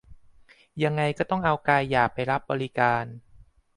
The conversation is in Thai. ยังไงก็ต้องเอากายหยาบไปรับบริการ